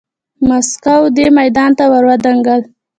ماسکو دې میدان ته ودانګل.